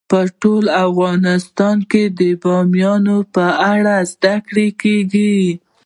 په ټول افغانستان کې د بامیان په اړه زده کړه کېږي.